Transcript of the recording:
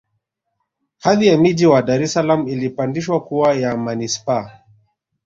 Hadhi ya Mji wa Dar es Salaam ilipandishwa kuwa ya Manispaa